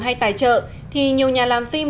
hay tài trợ thì nhiều nhà làm phim